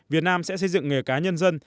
việt nam sẽ xây dựng nghề cá nhân dân